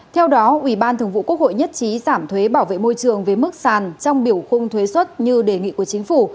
theo đó ubthqh nhất trí giảm thuế bảo vệ môi trường với mức xàn trong biểu khung thuế xuất như đề nghị của chính phủ